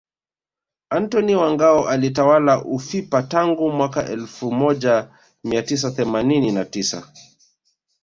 Antony wa Ngao alitawala ufipa tangu mwaka elfu moja mia tisa themanini na tisa